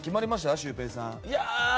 シュウペイさん。